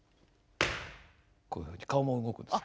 こういうふうに顔も動くんです。